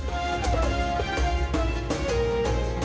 semoga hari ini berjalan baik